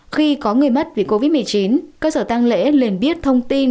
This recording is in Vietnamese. khi có người mất vì covid một mươi chín cơ sở tăng lễ liền biết thông tin